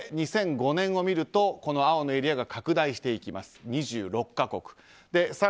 ２００５年を見ると青のエリアが拡大していきます。